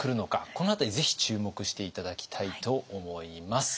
この辺りぜひ注目して頂きたいと思います。